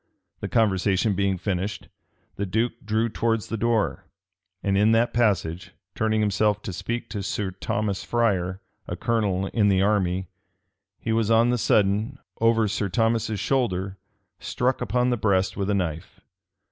The conversation being finished, the duke drew towards the door; and in that passage, turning himself to speak to Sir Thomas Friar, a colonel in the army, he was on the sudden, over Sir Thomas's shoulder, struck upon the breast with a knife.